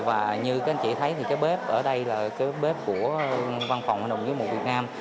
và như các anh chị thấy thì cái bếp ở đây là cái bếp của văn phòng hội đồng giết mổ việt nam